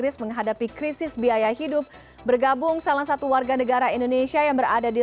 selamat siang waktu london syafani